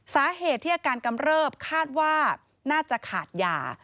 สาเหตุที่อาการกำเริบคาดว่าน่าจะขาดยา